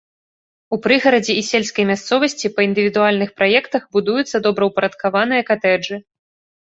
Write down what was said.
У прыгарадзе і сельскай мясцовасці па індывідуальных праектах будуюцца добраўпарадкаваныя катэджы.